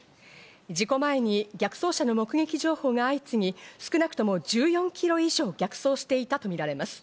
事故前に逆走車の目撃情報が相次ぎ、少なくとも１４ｋｍ以上、逆走していたとみられます。